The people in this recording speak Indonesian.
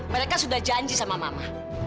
mereka sudah janji sama mama